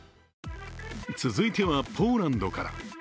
続いてはポーランドから。